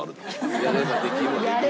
「やればできる！」。